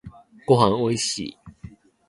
ごはんおいしい